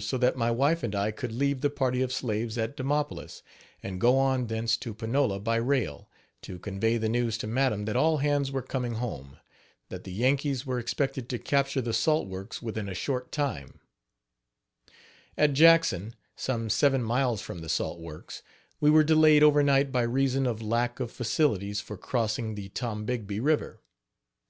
H2> Mr. Brooks fixed the return papers so that my wife and I could leave the party of slaves at Demopolis, and go on thence to Panola by rail, to convey the news to madam that all hands were coming home; that the Yankees were expected to capture the salt works within a short time. At Jackson, some seven miles from the salt works, we were delayed over night by reason of lack of facilities for crossing the Tombigbee river.